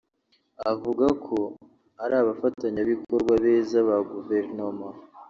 avuga ko ari abafatanyabikorwa beza ba Guverinoma